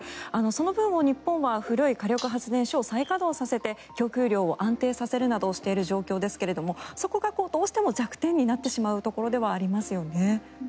その分を日本は古い火力発電所を再稼働させて供給量を安定させるなどしている状況ですがそこがどうしても弱点になってしまうところではありますよね。